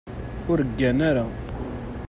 Ur ggan ara.